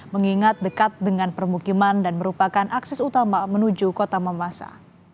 mengingat dekat dengan permukiman dan merupakan akses utama menuju kota mamasa